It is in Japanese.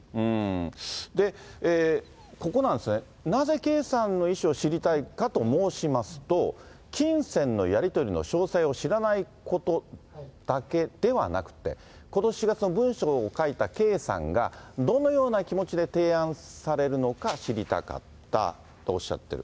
ここなんですよね、なぜ圭さんの意思を知りたいかと申しますと、金銭のやり取りの詳細を知らないことだけではなくて、この４月の文書を書いた圭さんが、どのような気持ちで提案されるのか知りたかったとおっしゃってる。